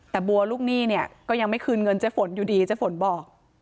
แต่บัวลูกหนี้เนี่ยก็ยังไม่คืนเงินเจ๊ฝนอยู่ดีเจ๊ฝนบอก